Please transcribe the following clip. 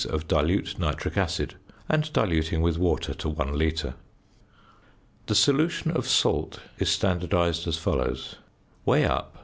of dilute nitric acid, and diluting with water to one litre. [Illustration: FIG. 44.] The solution of salt is standardised as follows: Weigh up 1.